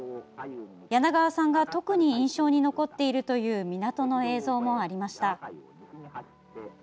柳川さんが特に印象に残っているという港の映像もありました。